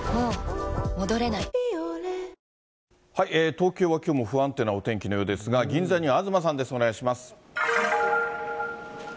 東京はきょうも不安定なお天気のようですが、銀座には東さんです、お願いします。